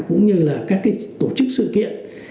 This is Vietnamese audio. cũng như là các cái tổ chức sự kiện